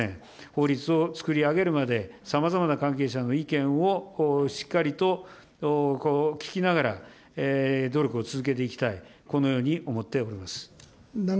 法律を作り上げるまで、さまざまな関係者の意見をしっかりと聞きながら、努力を続けていきたい、このように思っております。